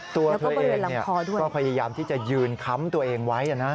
แล้วก็บริเวณลำคอด้วยนะครับตัวเธอเองก็พยายามที่จะยืนค้ำตัวเองไว้นะ